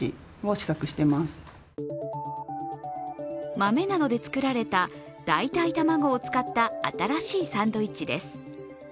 豆などで作られた代替卵を使った新しいサンドイッチです。